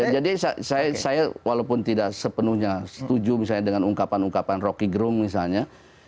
jadi saya walaupun tidak sepenuhnya setuju misalnya dengan ungkapan ungkapan rocky grung misalnya